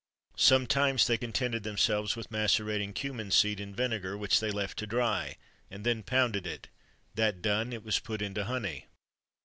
[XXIII 65] Sometimes they contented themselves with macerating cummin seed in vinegar, which they left to dry, and then pounded it; that done, it was put into honey.